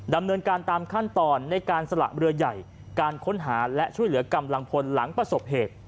ดำเนินการตามขั้นตอนในการสละเรือใหญ่การค้นหาและช่วยเหลือกำลังพลหลังประสบเหตุ